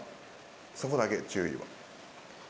そこだけ注意は。